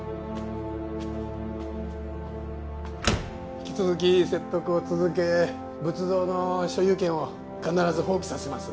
引き続き説得を続け仏像の所有権を必ず放棄させます。